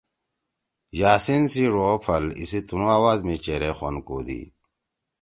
یاسین سی ڙو او پھل ایسی تنُو آواز می چیرے خوند کودی۔